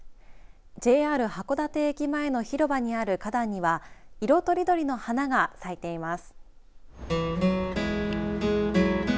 ＪＲ函館駅前の広場にある花壇には色とりどりの花が咲いています。